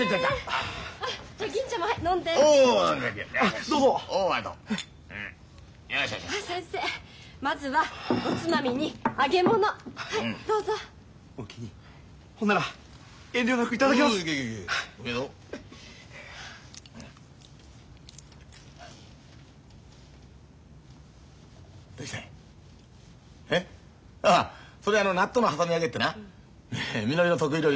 ああそれは納豆の挟み揚げってなみのりの得意料理なんだよ。